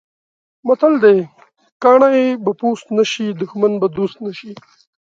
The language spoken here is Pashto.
متل دی: کاڼی به پوست نه شي، دښمن به دوست نه شي.